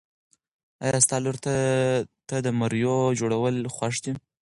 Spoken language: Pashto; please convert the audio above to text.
ایا ستا لور ته د مریو جوړول خوښ دي؟